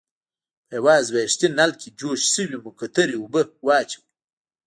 په یوه ازمیښتي نل کې جوش شوې مقطرې اوبه واچوئ.